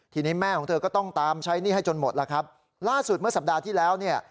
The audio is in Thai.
ทีนี้แม่ของเธอก็ต้องตามใช้หนี้ให้จนหมดแล้วครับล่าสุดเมื่อสัปดาห์ที่แล้วเนี่ย